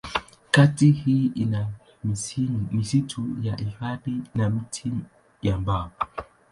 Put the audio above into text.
Kata hii ina misitu ya hifadhi na miti ya mbao.